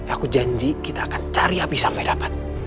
aku janji kita akan cari api sampai dapat